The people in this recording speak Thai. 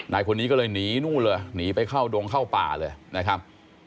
นายคนนี้ก็เลยหนีนู่นเลยหนีไปเข้าดงเข้าป่าเลยนะครับ